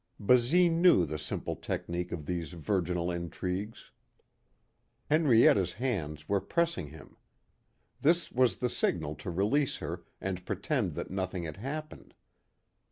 Basine knew the simple technique of these virginal intrigues. Henrietta's hands were pressing him. This was the signal to release her and pretend that nothing had happened.